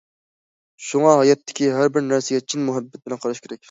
شۇڭا ھاياتتىكى ھەربىر نەرسىگە چىن مۇھەببەت بىلەن قاراش كېرەك.